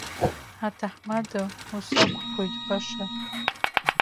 Аҭаҳмада, усақәԥоит баша.